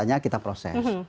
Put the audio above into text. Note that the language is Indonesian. katanya kita proses